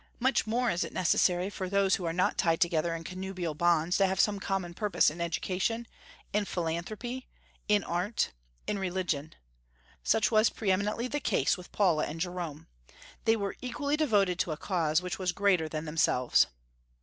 Much more is it necessary for those who are not tied together in connubial bonds to have some common purpose in education, in philanthropy, in art, in religion. Such was pre eminently the case with Paula and Jerome. They were equally devoted to a cause which was greater than themselves.